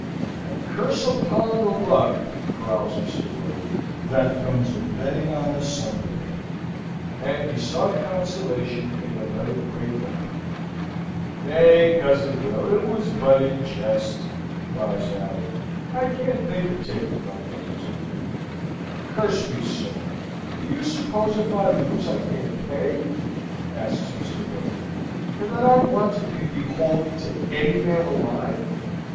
"A curse upon the luck!" growls Mr. William; "that comes of betting on a Sunday," and he sought consolation in another great bumper. "Nay, cousin Will. It was but in jest," cried Harry. "I can't think of taking my cousin's money." "Curse me, sir, do you suppose, if I lose, I can't pay?" asks Mr. William; "and that I want to be beholden to any man alive?